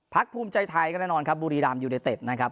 ภูมิใจไทยก็แน่นอนครับบุรีรามยูเนเต็ดนะครับ